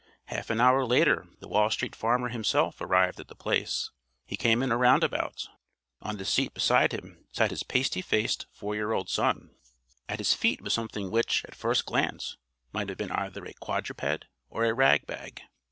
Half an hour later the Wall Street Farmer himself arrived at The Place. He came in a runabout. On the seat beside him sat his pasty faced, four year old son. At his feet was something which, at first glance, might have been either a quadruped or a rag bag.